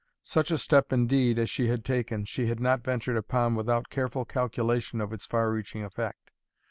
Such a step indeed, as she had taken, she had not ventured upon without careful calculation of its far reaching effect.